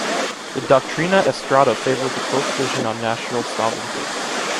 The Doctrina Estrada favors a close vision on national sovereignty.